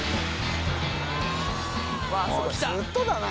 もうずっとだな